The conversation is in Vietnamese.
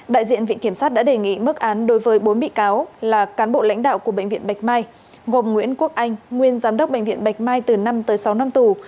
đại diện viện kiểm sát đã đề nghị mức án đối với bốn bị cáo là cán bộ lãnh đạo của bệnh viện bạch mai gồm nguyễn quốc anh nguyên giám đốc bệnh viện bạch mai từ năm tới sáu năm tù